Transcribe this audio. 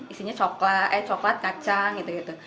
isinya coklat eh coklat kacang gitu gitu